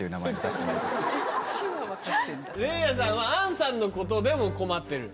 零夜さんは亞んさんのことでも困ってる。